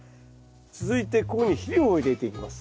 続いてここに肥料を入れていきます。